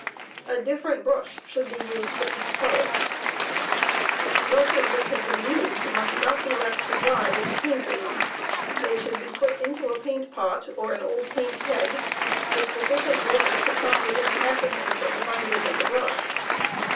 A different brush should be used for each color. Brushes which have been used must not be left to dry with the paint in them. • They should be put into a paint pot, or old paint keg t with sufficient water to come within half an inch of the binding of the brush.